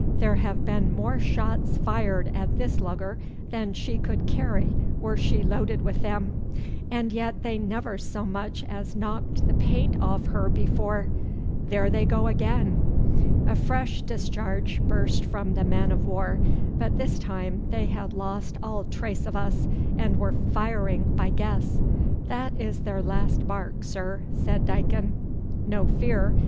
There have been more shots fired at this lugger than she could carry wore she loaded with them. And yet they never so much as knocked the paint off her before. There they go again!' A fresh discharge burst from the man of war, but this time they had lost all trace of us, and were firing by guess. 'That is their last bark, sir,' said Dicon. 'No fear.